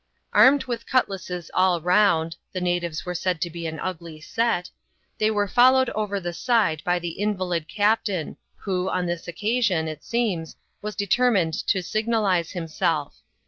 Armed with cutlasses all round — the natives were said to be an ugly set — they were followed over the side by the invalid captain, who, on this occasion, it seems, was determined to signalize himself.